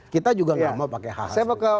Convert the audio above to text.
kita juga enggak mau pakai hal hal seperti itu